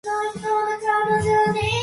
どうしてですか？